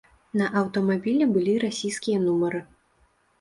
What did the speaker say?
На аўтамабілі былі расійскія нумары.